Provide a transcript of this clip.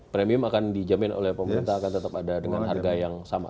premium akan dijamin oleh pemerintah akan tetap ada dengan harga yang sama